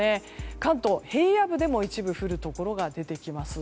関東は平野部でも一部降るところが出てきます。